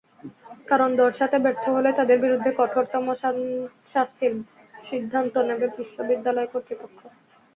কারণ দর্শাতে ব্যর্থ হলে তাঁদের বিরুদ্ধে কঠোরতম শাস্তির সিদ্ধান্ত নেবে বিশ্ববিদ্যালয় কর্তৃপক্ষ।